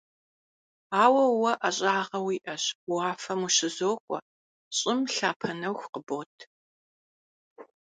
Ауэ уэ ӏэщӏагъэ уиӏэщ: уафэм ущызокӏуэ, щӏым лъапэ нэху къыбот.